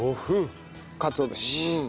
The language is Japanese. かつお節。